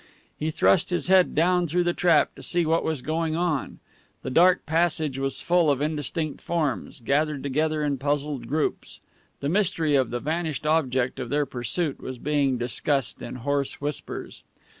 He thrust his head down through the trap, to see what was going on. The dark passage was full of indistinct forms, gathered together in puzzled groups. The mystery of the vanished object of their pursuit was being discussed in hoarse whispers.